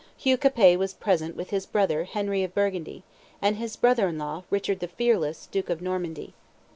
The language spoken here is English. Hugh Capet was present with his brother Henry of Burgundy, and his brother in law Richard the Fearless, duke of Normandy.